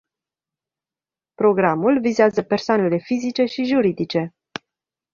Programul vizează persoanele fizice și juridice.